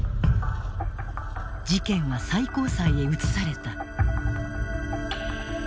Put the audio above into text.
事件は最高裁へ移された。